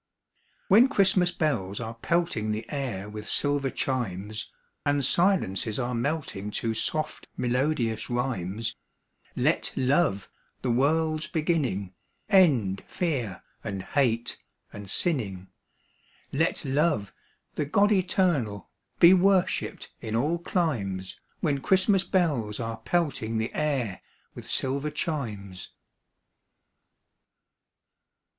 When Christmas bells are pelting the air with silver chimes, And silences are melting to soft, melodious rhymes, Let Love, the world's beginning, End fear and hate and sinning; Let Love, the God Eternal, be worshipped in all climes When Christmas bells are pelting the air with silver chimes.